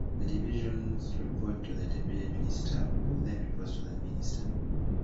The divisions report to the deputy minister who then reports to the minister.